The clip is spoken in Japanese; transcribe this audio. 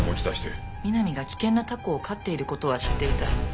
美波が危険なタコを飼っている事は知っていた。